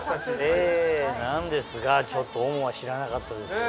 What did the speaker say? なんですがちょっとＯＭＯは知らなかったです。